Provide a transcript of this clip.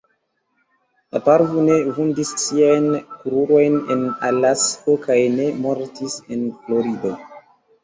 Parvu ne vundis siajn krurojn en Alasko kaj ne mortis en Florido.